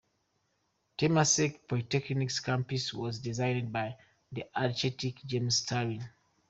Temasek Polytechnic's campus was designed by architect James Stirling.